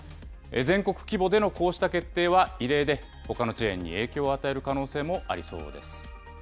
全国規模でのこうした決定は異例で、ほかのチェーンに影響を与える可能性もありそうです。